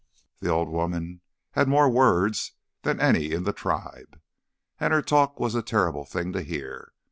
The old woman had more words than any in the tribe. And her talk was a terrible thing to hear.